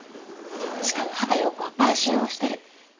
しかも畑葉子は売春をしてる。